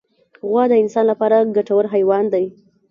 غوا د انسان لپاره ګټور حیوان دی.